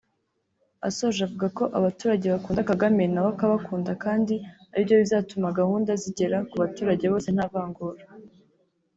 Asoje avuga ko abaturage bakunda Kagame nawe akabakunda kandi aribyo bizatuma gahunda zigera ku baturage bose nta vangura